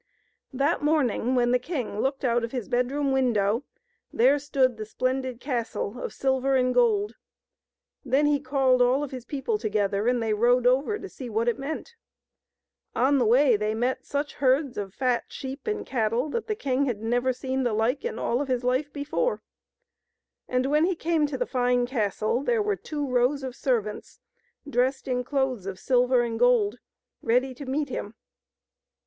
That morning, when the king looked out of his bedroom window, there stood the splendid castle of silver and gold. Then he called all of his people together, and they rode over to see what it meant. On the way they met such herds of fat sheep and cattle that the king had never seen the like in all of his life before ; and when he came to the fine castle, there were two rows of servants dressed in clothes of silver and gold, ready to meet him.